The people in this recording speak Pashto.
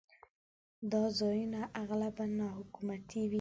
دا ځایونه اغلباً ناحکومتي وي.